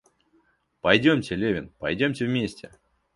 Пойдемте, Левин, пойдем вместе!